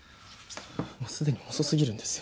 もうすでに遅すぎるんですよ。